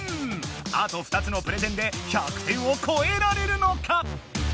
あと２つのプレゼンで１００点を超えられるのか？